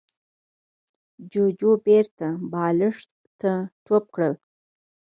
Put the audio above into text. جوجو بېرته بالښت ته ټوپ کړ.